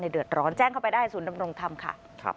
เดือดร้อนแจ้งเข้าไปได้ศูนย์ดำรงธรรมค่ะ